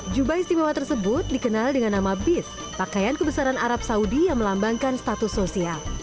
jubah istimewa tersebut dikenal dengan nama bis pakaian kebesaran arab saudi yang melambangkan status sosial